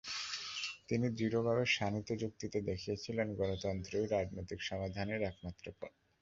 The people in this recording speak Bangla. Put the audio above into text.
তিনি দৃঢ়ভাবে, শাণিত যুক্তিতে দেখিয়েছিলেন, গণতন্ত্রই রাজনৈতিক সমস্যা সমাধানের একমাত্র পথ।